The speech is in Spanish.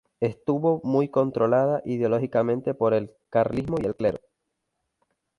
Estuvo muy controlada ideológicamente por el carlismo y el clero.